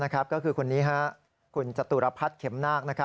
ก็คือคนนี้คุณจตุรพัฒน์เข็มนาค